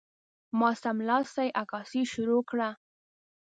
ما سملاسي عکاسي شروع کړه.